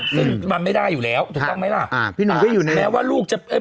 ซึ่งมันไม่ได้อยู่แล้วถูกต้องไหมล่ะอ่าพี่น้องก็อยู่ไหนแม้ว่าลูกจะเอ้ย